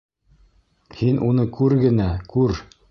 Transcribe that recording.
Һин уны күр генә, күр!